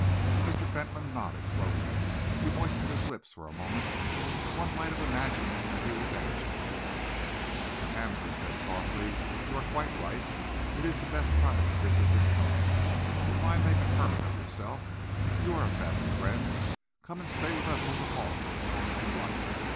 Mr. Fentolin nodded slowly. He moistened his lips for a moment. One might have imagined that he was anxious. "Mr. Hamel," he said softly, "you are quite right. It is the best time to visit this coast. But why make a hermit of yourself? You are a family friend. Come and stay with us at the Hall for as long as you like.